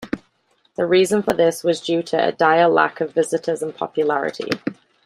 The reason for this was due to a dire lack of visitors and popularity.